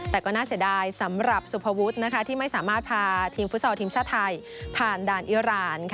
แต่ก็น่าเสียดายสำหรับสุภวุฒิที่ไม่สามารถพาทีมฟุตซอลทีมชาติไทยผ่านด่านอิราณ